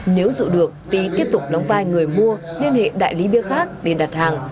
nếu dụ được tý tiếp tục đóng vai người mua liên hệ đại lý bia khác để đặt hàng